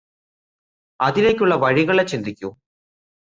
അതിലേക്കുള്ള വഴികള ചിന്തിക്കു